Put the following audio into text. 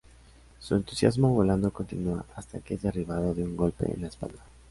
Su entusiasmo volando continua hasta que es derribado de un golpe en la espalda.